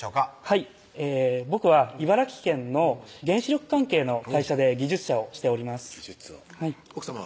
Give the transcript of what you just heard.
はい僕は茨城県の原子力関係の会社で技術者をしております技術を奥さまは？